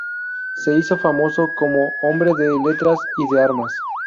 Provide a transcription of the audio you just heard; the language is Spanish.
Se hizo famoso como hombre de letras y de armas.